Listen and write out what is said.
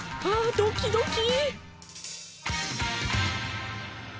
「ドキドキ！」